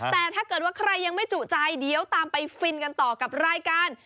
แต่ถ้าเกิดว่าใครยังไม่จุใจเดี๋ยวตามไปฟินกันต่อกับรายการ